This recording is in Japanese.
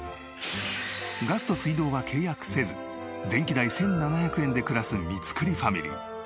ガスと水道は契約せず電気代１７００円で暮らす三栗ファミリー。